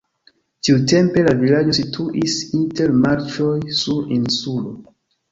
Tiutempe la vilaĝo situis inter marĉoj sur insulo.